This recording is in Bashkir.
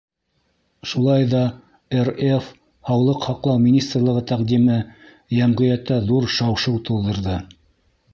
Шулай ҙа РФ Һаулыҡ һаҡлау министрлығы тәҡдиме йәмғиәттә ҙур шау-шыу тыуҙырҙы.